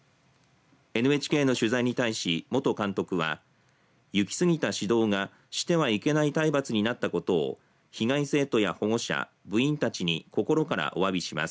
ＮＨＫの取材に対し、元監督は行き過ぎた指導がしてはいけない体罰になったことを被害生徒や保護者、部員たちに心からおわびします